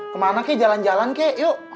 kemana kek jalan jalan kek yuk